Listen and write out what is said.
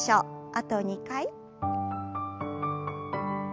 あと２回。